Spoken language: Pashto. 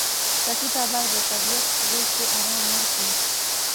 ټپي ته باید د طبیعت غېږ کې آرام ورکړو.